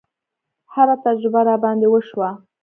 هره تجربه راباندې وشوه.